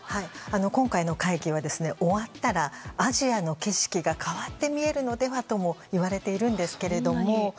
今回の会議は終わったらアジアの景色が変わって見えるのではともいわれているんですけれども。